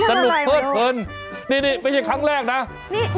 จะหนุ่มเพิดเฟินนี่ไม่ใช่ครั้งแรกน่ะนี่ทำอะไร